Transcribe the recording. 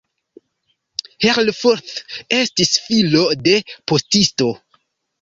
Herfurth estis filo de postisto.